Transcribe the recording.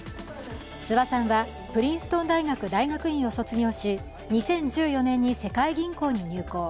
諏訪さんはプリンストン大学大学院を卒業し、２０１４年に世界銀行に入行。